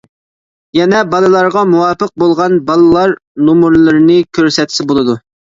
يەنە بالىلارغا مۇۋاپىق بولغان بالىلار نومۇرلىرىنى كۆرسەتسە بولىدۇ.